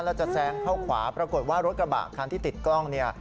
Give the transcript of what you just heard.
แล้วจะแซงเข้าขวาปรากฏว่ารถกระบะคันที่ติดกล้องเนี่ย